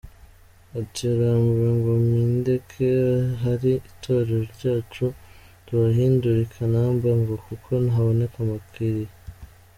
Ati “Yarambwiye ngo nindeke ahari Itorero ryacu tuhahindure ikinamba ngo kuko haboneka abakiriya.